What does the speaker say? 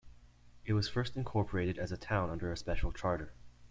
It was first incorporated as a town under a special charter.